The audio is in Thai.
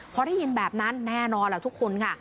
พอได้ยินแบบนั้นแน่นอนแหละทุกคนค่ะ